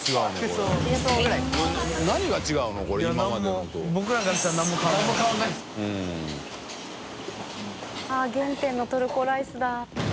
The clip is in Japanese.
水卜）原点のトルコライスだ。